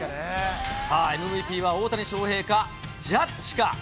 さあ、ＭＶＰは大谷翔平かジャッジか。